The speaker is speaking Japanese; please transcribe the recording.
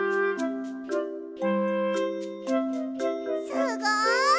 すごい！